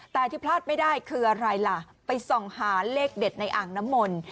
แต่ที่พลาดไม่ได้คืออะไรล่ะไปส่องหาเลขเด็ดในอ่างน้ำมนต์